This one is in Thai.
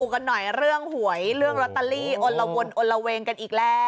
กันหน่อยเรื่องหวยเรื่องลอตเตอรี่อนละวนอนละเวงกันอีกแล้ว